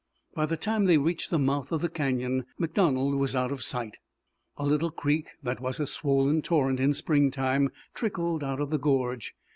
By the time they reached the mouth of the canyon MacDonald was out of sight. A little creek that was a swollen torrent in spring time trickled out of the gorge.